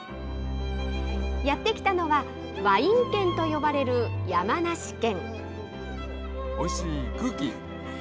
やって来たのは、ワイン県と呼ばれる山梨県。